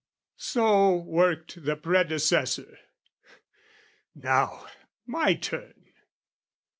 So worked the predecessor: now, my turn!